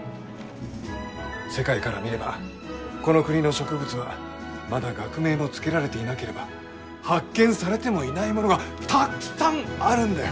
世界から見ればこの国の植物はまだ学名も付けられていなければ発見されてもいないものがたっくさんあるんだよ！